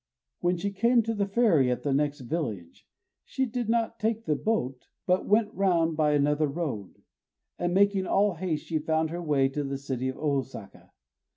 _ When she came to the ferry at the next village, she did not take the boat, but went round by another road; and making all haste she found her way to the city of Ôsaka.